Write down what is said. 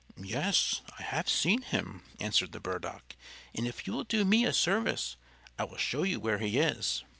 "Yes, I have seen him," answered the Burdock; "and if you will do me a service, I will show you where he is."